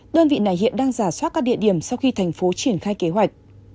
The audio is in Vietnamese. đơn vị này hiện đang giả soát các địa điểm sau khi thành phố triển khai kế hoạch